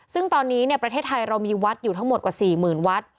ซึ่งตอนนี้ประเทศไทยเรามีวัดอยู่ทั้งหมดกว่า๔๐๐๐วัด